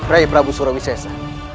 rai prabu surawisesa